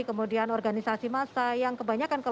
kemudian organisasi massa yang kebanyakan